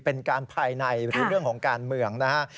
เป็นการภายในหรือเรื่องของการเมืองนะฮะ